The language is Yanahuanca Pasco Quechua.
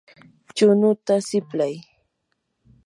chunuta siplay.